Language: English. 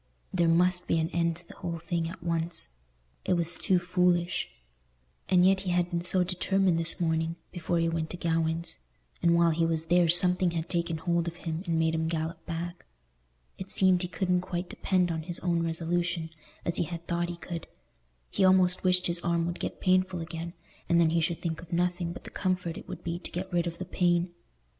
There must be an end to the whole thing at once. It was too foolish. And yet he had been so determined this morning, before he went to Gawaine's; and while he was there something had taken hold of him and made him gallop back. It seemed he couldn't quite depend on his own resolution, as he had thought he could; he almost wished his arm would get painful again, and then he should think of nothing but the comfort it would be to get rid of the pain.